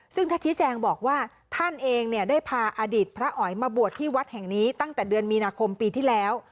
ซึ่งท่านชี้แจงบอกว่าท่านเองเนี่ยได้พาอดีตพระอ๋อยมาบวชที่วัดแห่งนี้ตั้งแต่เดือนมีนาคมปีที่แล้ว